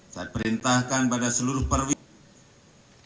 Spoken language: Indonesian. saya perintahkan pada seluruh perwira